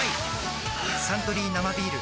「サントリー生ビール」